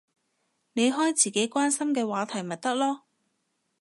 你開自己關心嘅話題咪得囉